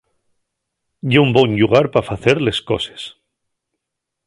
Ye un bon llugar pa facer les coses.